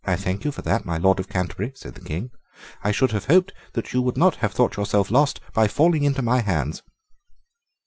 "I thank you for that, my Lord of Canterbury," said the King; "I should have hoped that you would not have thought yourself lost by falling into my hands."